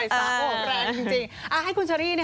ให้คุณฉันนี่